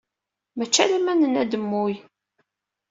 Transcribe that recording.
Mačči alamma nenna-d mmuy!